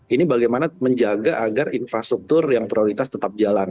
ini bagaimana menjaga agar infrastruktur yang prioritas tetap jalan